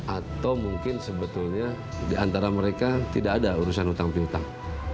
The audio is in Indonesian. atau mungkin sebetulnya di antara mereka tidak ada urusan hutang pintar